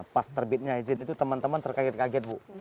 pas terbitnya izin itu teman teman terkaget kaget bu